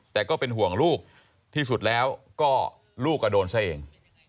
แต่ก็เป็นห่วงลูกที่สุดแล้วก็ลูกก็โดนซะเอง